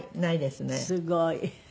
すごい。